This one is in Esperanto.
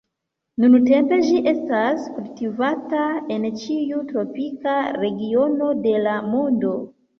Nuntempe ĝi estas kultivata en ĉiu tropika regiono de la mondo.